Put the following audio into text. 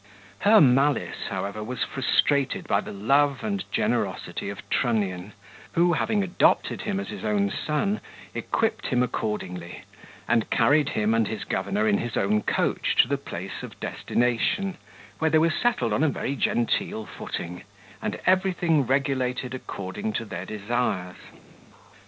Her malice, however, was frustrated by the love and generosity of Trunnion, who, having adopted him as his own son, equipped him accordingly, and carried him and his governor in his own coach to the place of destination, where they were settled on a very genteel footing, and everything regulated according to their desires.